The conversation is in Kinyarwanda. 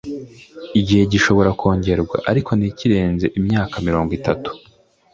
Igihe gishobora kongerwa ariko ntikirenze imyakamirongo itatu